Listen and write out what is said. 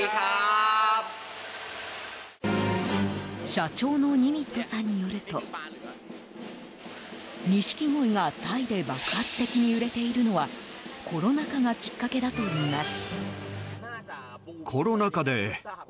社長のニミットさんによるとニシキゴイがタイで爆発的に売れているのはコロナ禍がきっかけだといいます。